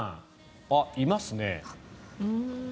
あ、いますね。